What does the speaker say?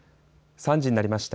３時になりました。